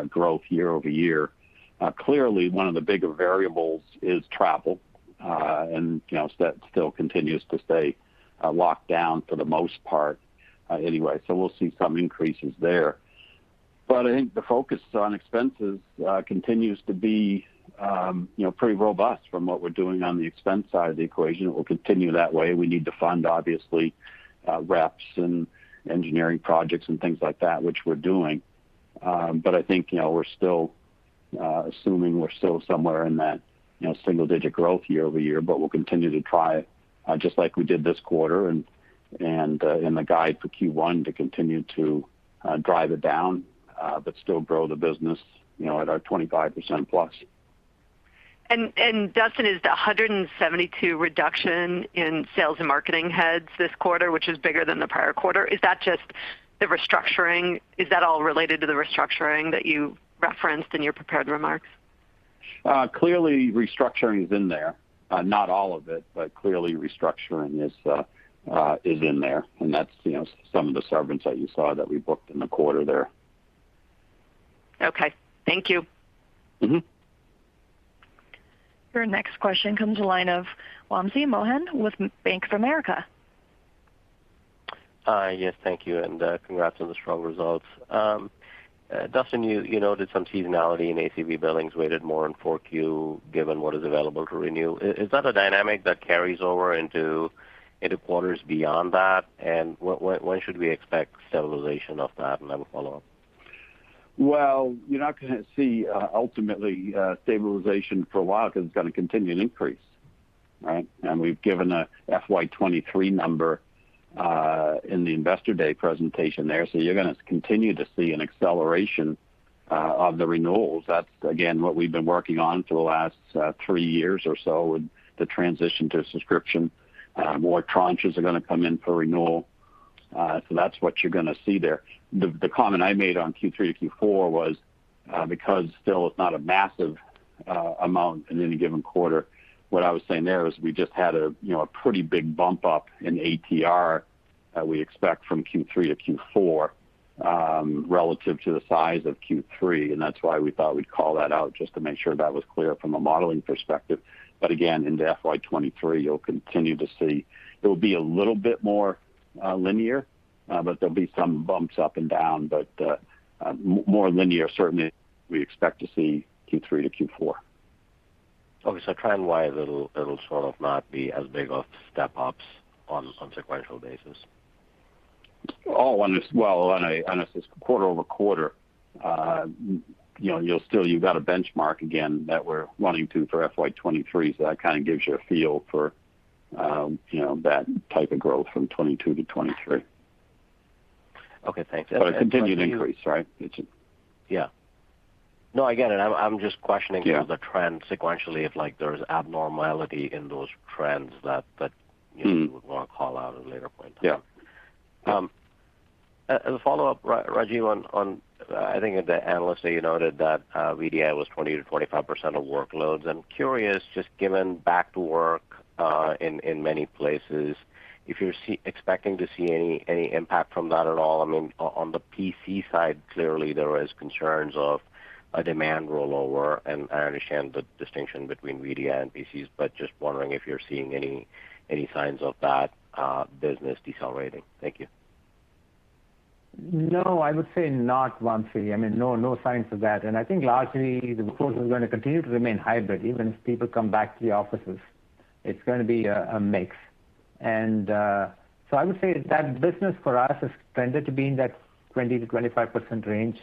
growth year-over-year. Clearly one of the bigger variables is travel. That still continues to stay locked down for the most part anyway. We'll see some increases there. I think the focus on expenses continues to be pretty robust from what we're doing on the expense side of the equation. It will continue that way. We need to fund, obviously, reps and engineering projects and things like that, which we're doing. I think we're still assuming we're still somewhere in that single-digit growth year-over-year, but we'll continue to try, just like we did this quarter and in the guide for Q1 to continue to drive it down, but still grow the business at our 25%+. Duston, is the 172 reduction in sales and marketing heads this quarter, which is bigger than the prior quarter, is that all related to the restructuring that you referenced in your prepared remarks? Clearly restructuring is in there. Not all of it, but clearly restructuring is in there, that's some of the severance that you saw that we booked in the quarter there. Okay. Thank you. Your next question comes the line of Wamsi Mohan with Bank of America. Hi, yes. Thank you, and congrats on the strong results. Duston, you noted some seasonality in ACV billings weighted more in 4Q, given what is available to renew. Is that a dynamic that carries over into quarters beyond that? When should we expect stabilization of that? I have a follow-up. You're not going to see ultimately stabilization for a while because it's going to continue to increase, right? We've given a FY 2023 number in the Investor Day presentation there. You're going to continue to see an acceleration of the renewals. That's, again, what we've been working on for the last three years or so with the transition to subscription. More tranches are going to come in for renewal. That's what you're going to see there. The comment I made on Q3 to Q4 was, because still it's not a massive amount in any given quarter, what I was saying there is we just had a pretty big bump up in ATR that we expect from Q3 to Q4, relative to the size of Q3, and that's why we thought we'd call that out just to make sure that was clear from a modeling perspective. Again, into FY 2023, you'll continue to see it'll be a little bit more linear, but there'll be some bumps up and down, but more linear certainly we expect to see Q3 to Q4. Okay, trend-wise it'll sort of not be as big of step-ups on a sequential basis. On a quarter-over-quarter, you've got a benchmark again that we're running to for FY 2023, that kind of gives you a feel for that type of growth from 2022 to 2023. Okay, thanks. A continued increase, right? Yeah. No, I get it. I'm just questioning- Yeah The trend sequentially, if there's abnormality in those trends that you would want to call out at a later point in time. Yeah. As a follow-up, Rajiv, I think the analyst that you noted that VDI was 20%-25% of workloads. I'm curious, just given back to work in many places, if you're expecting to see any impact from that at all. On the PC side, clearly there is concerns of a demand rollover, and I understand the distinction between VDI and PCs, but just wondering if you're seeing any signs of that business decelerating. Thank you. No, I would say not, Wamsi. No signs of that. I think largely the workforce is going to continue to remain hybrid, even if people come back to the offices. It's going to be a mix. I would say that business for us is tended to be in that 20%-25% range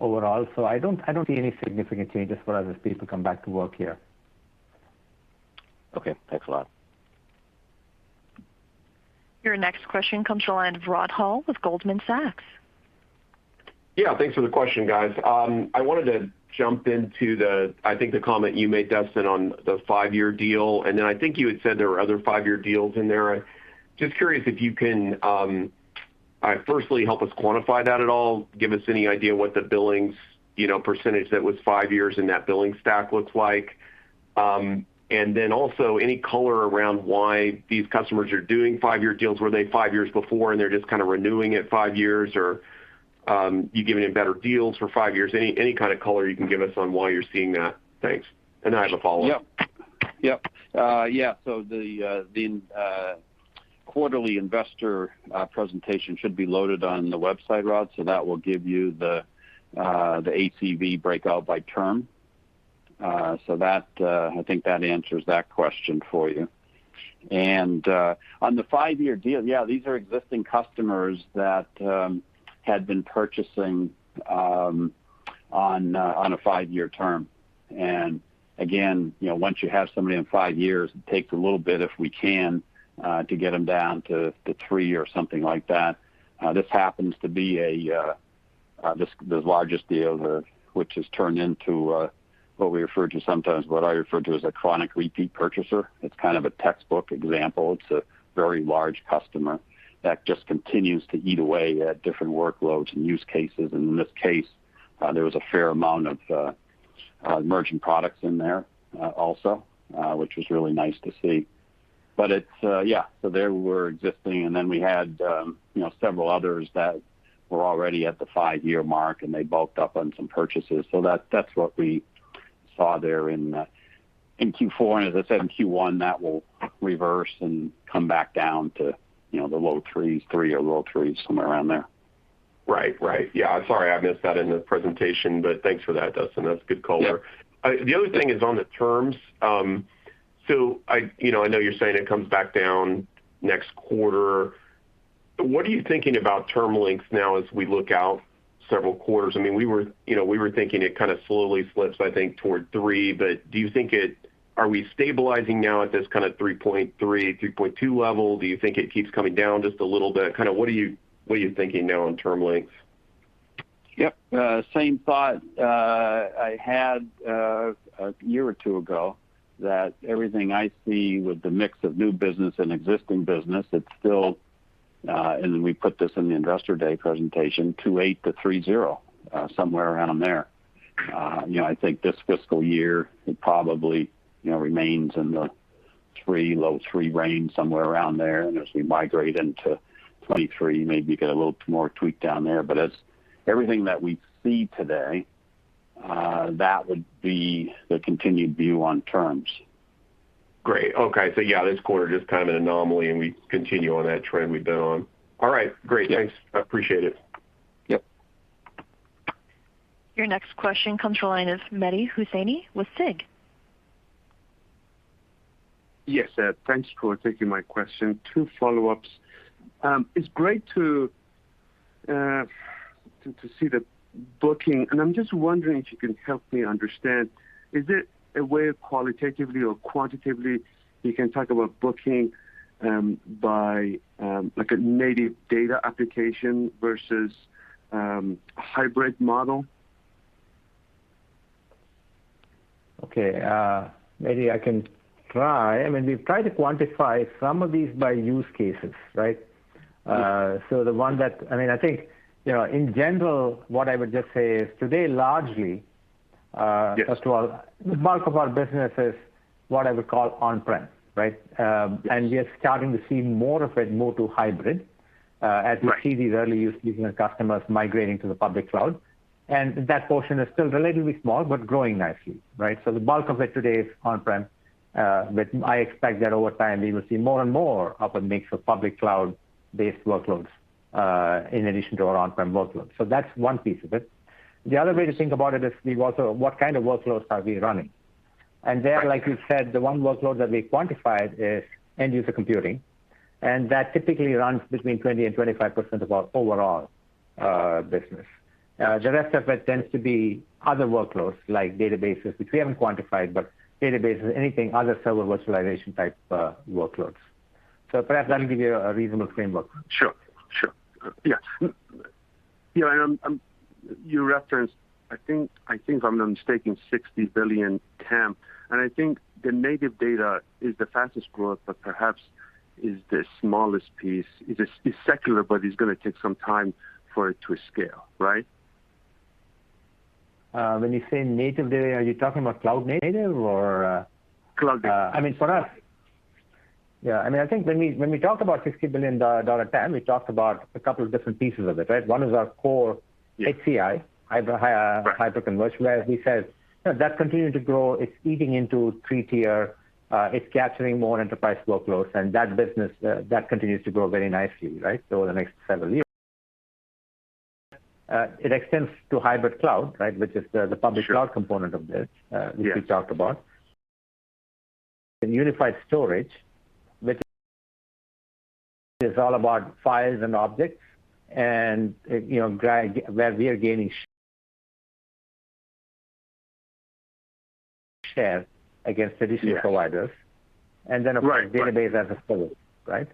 overall. I don't see any significant changes for us as people come back to work here. Okay. Thanks a lot. Your next question comes from the line of Rod Hall with Goldman Sachs. Yeah. Thanks for the question, guys. I wanted to jump into, I think, the comment you made, Duston, on the five-year deal, and then I think you had said there were other five-year deals in there. Just curious if you can, firstly, help us quantify that at all, give us any idea what the billings percent that was five years in that billing stack looks like. Also, any color around why these customers are doing five-year deals. Were they five years before, and they're just kind of renewing at five years, or you're giving them better deals for five years? Any kind of color you can give us on why you're seeing that. Thanks. I have a follow-up. Yep. Yeah, the quarterly investor presentation should be loaded on the website, Rod, that will give you the ACV breakout by term. I think that answers that question for you. On the five-year deal, yeah, these are existing customers that had been purchasing on a five-year term. Again, once you have somebody on five years, it takes a little bit, if we can, to get them down to three or something like that. This happens to be the largest deal, which has turned into what we refer to sometimes, what I refer to as a chronic repeat purchaser. It's kind of a textbook example. It's a very large customer that just continues to eat away at different workloads and use cases. In this case, there was a fair amount of emerging products in there also, which was really nice to see. They were existing, and then we had several others that were already at the five-year mark, and they bulked up on some purchases. That's what we saw there in Q4. As I said, in Q1, that will reverse and come back down to the low threes, three or low threes, somewhere around there. Right. Yeah. Sorry, I missed that in the presentation, but thanks for that, Duston. That's a good color. Yeah. The other thing is on the terms. I know you're saying it comes back down next quarter. What are you thinking about term lengths now as we look out several quarters? We were thinking it kind of slowly slips, I think, toward three. Are we stabilizing now at this kind of 3 to 3.2 level? Do you think it keeps coming down just a little bit? What are you thinking now on term lengths? Yep. Same thought I had a year or two ago, that everything I see with the mix of new business and existing business, it's still, and we put this in the Investor Day presentation, 2.8-3.0, somewhere around there. I think this fiscal year, it probably remains in the three, low three range, somewhere around there. As we migrate into 2023, maybe get a little more tweak down there. As everything that we see today, that would be the continued view on terms. Great. Okay. Yeah, this quarter just kind of an anomaly, and we continue on that trend we've been on. All right. Great. Yeah. Thanks. I appreciate it. Yep. Your next question comes from the line of Mehdi Hosseini with SIG. Yes. Thanks for taking my question. Two follow-ups. It's great to see the booking, I'm just wondering if you can help me understand, is there a way of qualitatively or quantitatively you can talk about booking by a native data application versus a hybrid model? Okay. Maybe I can try. We've tried to quantify some of these by use cases, right? Yes. I think, in general, what I would just say is today, largely. Yes First of all, the bulk of our business is what I would call on-prem, right? Yes. We are starting to see more of it move to hybrid-. Right As we see these early business customers migrating to the public cloud. That portion is still relatively small, but growing nicely, right? The bulk of it today is on-prem. I expect that over time, we will see more and more up and mix of public cloud-based workloads, in addition to our on-prem workloads. That's one piece of it. The other way to think about it is also what kind of workloads are we running? There, like you said, the one workload that we quantified is end user computing, and that typically runs between 20% and 25% of our overall business. The rest of it tends to be other workloads, like databases, which we haven't quantified. Databases, anything, other server virtualization type workloads. Perhaps that will give you a reasonable framework. Sure. Yeah. You referenced, I think I'm not mistaken, $60 billion TAM, and I think the native data is the fastest growth, but perhaps is the smallest piece. It's secular, but it's going to take some time for it to scale, right? When you say native data, are you talking about cloud native? Cloud native I mean, for us, yeah, I think when we talk about $60 billion TAM, we talked about a couple of different pieces of it, right? One is our core HCI- Yeah hyper-converged, where as we said, that's continuing to grow. It's eating into 3-tier. It's capturing more enterprise workloads, and that business continues to grow very nicely, right? Over the next several years. It extends to hybrid cloud, right, which is the public cloud. Sure component of this- Yes which we talked about. unified storage, which is all about files and objects, and where we are gaining. Share against traditional providers. Yes and then of course- Right database as a whole, right?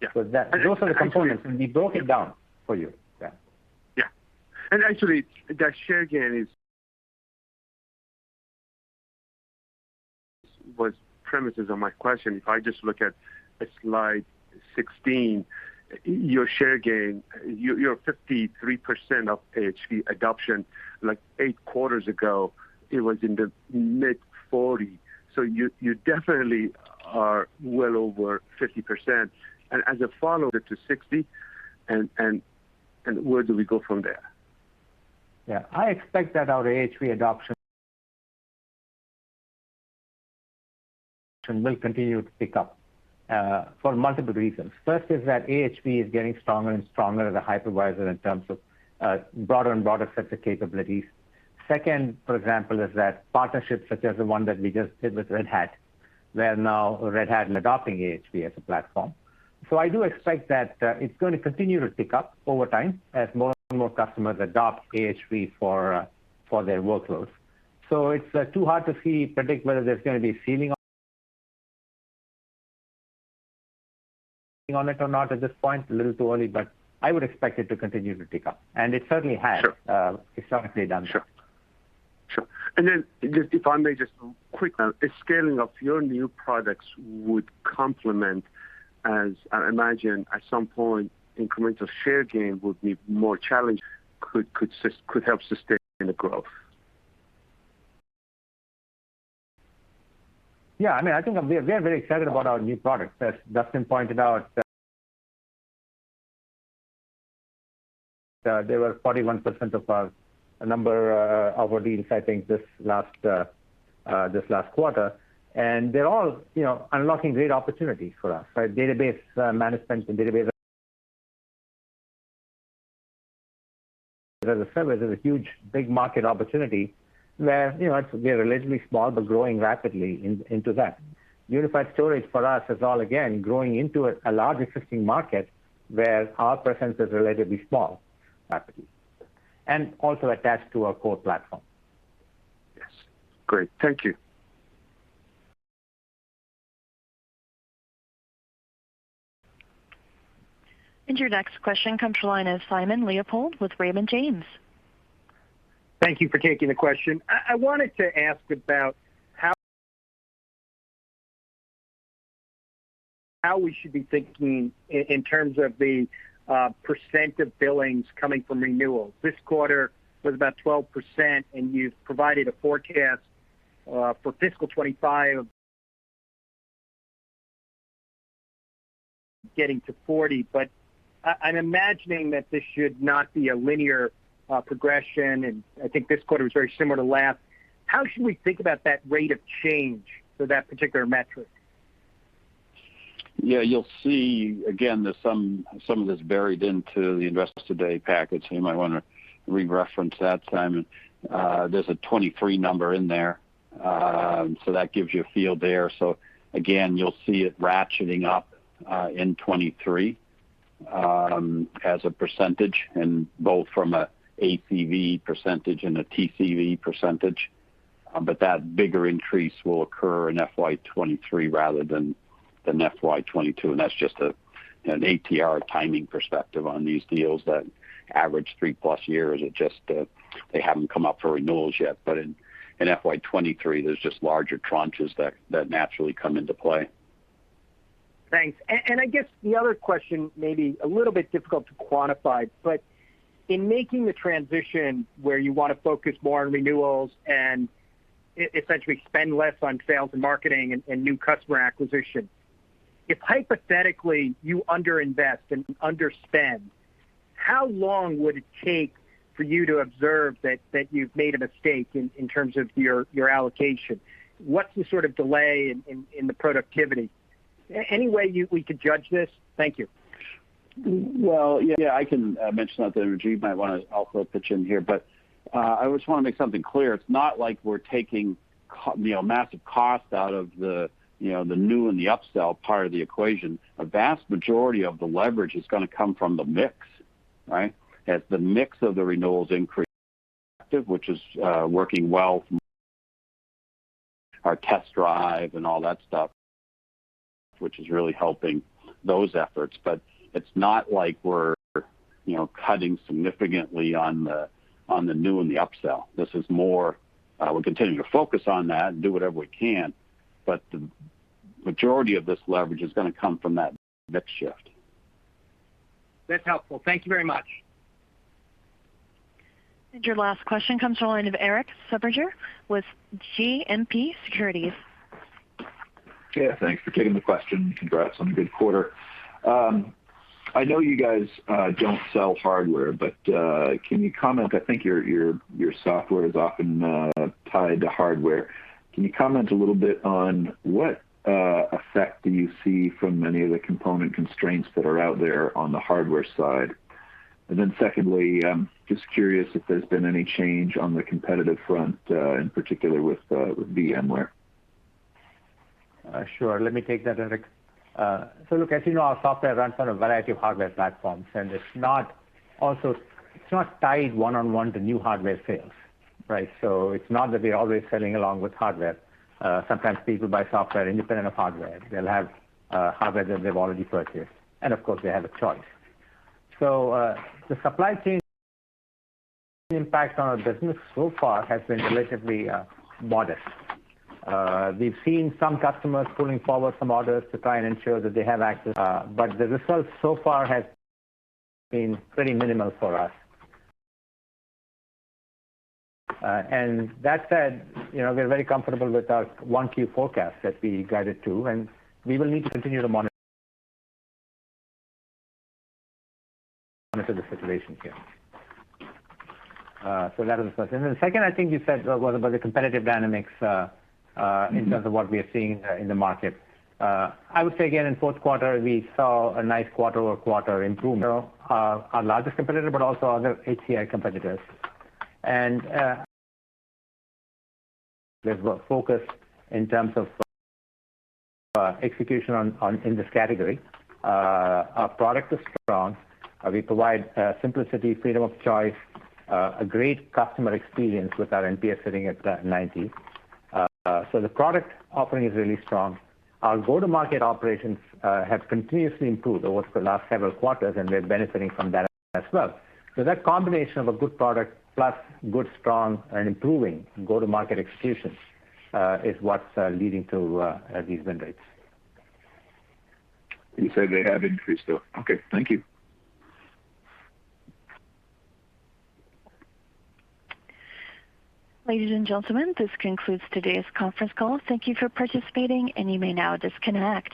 Yeah. Those are the components, and we broke it down for you. Yeah. Yeah. Actually, that share gain was premise on my question. If I just look at Slide 16, your share gain, your 53% of AHV adoption, like eight quarters ago, it was in the mid-40%. You definitely are well over 50%. As a follower to 60%, and where do we go from there? Yeah. I expect that our AHV adoption will continue to pick up, for multiple reasons. First is that AHV is getting stronger and stronger as a hypervisor in terms of broader and broader sets of capabilities. Second, for example, is that partnerships such as the one that we just did with Red Hat, where now Red Hat is adopting AHV as a platform. I do expect that it's going to continue to pick up over time as more and more customers adopt AHV for their workloads. It's too hard to predict whether there's going to be ceiling on it or not at this point, a little too early, but I would expect it to continue to tick up, and it certainly has. Sure historically done. Sure. Sure. Just if I may just quickly, a scaling of your new products would complement, as I imagine at some point, incremental share gain would be more challenged, could help sustain the growth. Yeah, I think we are very excited about our new products. As Duston pointed out, they were 41% of our number, our deals, I think this last quarter. They're all unlocking great opportunities for us, right? Database management and Database as a Service is a huge, big market opportunity where we are relatively small, but growing rapidly into that. Unified storage for us is all, again, growing into a large existing market where our presence is relatively small rapidly, and also attached to our core platform. Yes. Great. Thank you. Your next question comes to the line of Simon Leopold with Raymond James. Thank you for taking the question. I wanted to ask about how we should be thinking in terms of the percent of billings coming from renewal. This quarter was about 12%, and you've provided a forecast for FY 2025 getting to 40%. I'm imagining that this should not be a linear progression, and I think this quarter was very similar to last. How should we think about that rate of change for that particular metric? Yeah, you'll see, again, some of it's buried into the Investor Day package. You might want to re-reference that, Simon. There's a 23 number in there. That gives you a feel there. Again, you'll see it ratcheting up, in 2023, as a percentage, and both from a ACV % and a TCV %. That bigger increase will occur in FY 2023 rather than FY 2022. That's just an ATR timing perspective on these deals that average 3+ years. It's just that they haven't come up for renewals yet. In FY 2023, there's just larger tranches that naturally come into play. Thanks. I guess the other question may be a little bit difficult to quantify, but in making the transition where you want to focus more on renewals and essentially spend less on sales and marketing and new customer acquisition, if hypothetically you under-invest and under-spend, how long would it take for you to observe that you've made a mistake in terms of your allocation? What's the sort of delay in the productivity? Any way we could judge this? Thank you. Well, yeah. I can mention that, and Rajiv might want to also pitch in here, but I just want to make something clear. It's not like we're taking massive cost out of the new and the upsell part of the equation. A vast majority of the leverage is going to come from the mix, right? As the mix of the renewals increase, which is working well from our Test Drive and all that stuff, which is really helping those efforts. It's not like we're cutting significantly on the new and the upsell. This is more, we're continuing to focus on that and do whatever we can, the majority of this leverage is going to come from that mix shift. That's helpful. Thank you very much. Your last question comes from the line of Erik Suppiger with JMP Securities. Yeah, thanks for taking the question. Congrats on a good quarter. I know you guys don't sell hardware, but can you comment, I think your software is often tied to hardware. Can you comment a little bit on what effect do you see from many of the component constraints that are out there on the hardware side? Secondly, just curious if there's been any change on the competitive front, in particular with VMware. Sure. Let me take that, Erik. Look, as you know, our software runs on a variety of hardware platforms, and it's not tied one-on-one to new hardware sales. Right? It's not that we're always selling along with hardware. Sometimes people buy software independent of hardware. They'll have hardware that they've already purchased, and of course, they have a choice. The supply chain impact on our business so far has been relatively modest. We've seen some customers pulling forward some orders to try and ensure that they have access, but the results so far have been pretty minimal for us. That said, we're very comfortable with our 1Q forecast that we guided to, and we will need to continue to monitor the situation here. That is the first. The second, I think you said, was about the competitive dynamics in terms of what we are seeing in the market. I would say again, in fourth quarter, we saw a nice quarter-over-quarter improvement. Our largest competitor, but also other HCI competitors. We're focused in terms of execution in this category. Our product is strong. We provide simplicity, freedom of choice, a great customer experience with our NPS sitting at 90. The product offering is really strong. Our go-to-market operations have continuously improved over the last several quarters, and we're benefiting from that as well. That combination of a good product plus good, strong, and improving go-to-market execution, is what's leading to these win rates. You said they have increased, though. Okay, thank you. Ladies and gentlemen, this concludes today's conference call. Thank you for participating, and you may now disconnect.